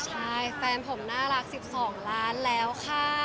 ใช่แฟนผมน่ารัก๑๒ล้านแล้วค่ะ